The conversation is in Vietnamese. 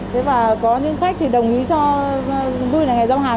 thế và có những khách thì đồng ý cho vui là ngày giao hàng